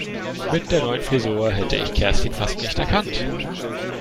Mit der neuen Frisur hätte ich Kerstin fast nicht erkannt.